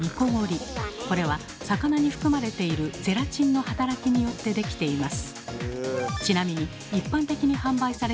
これは魚に含まれているゼラチンの働きによって出来ています。